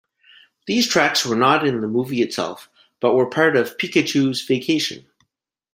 These tracks were not in the movie itself, but were part of "Pikachu's Vacation".